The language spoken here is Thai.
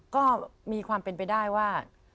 ก็มีความเป็นไปได้ว่า